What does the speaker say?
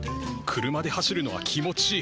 車で走るのは気持ちいい。